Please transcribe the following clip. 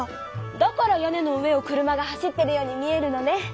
だから屋根の上を車が走ってるように見えるのね。